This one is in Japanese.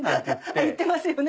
言ってますよね